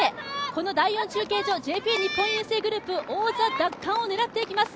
この第４中継所、ＪＰ日本郵政グループ、王座奪還を狙っていきます。